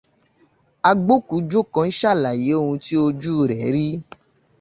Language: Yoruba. Agbóòkújó kan ṣàlàyé ohun tí ojú rẹ̀ rí.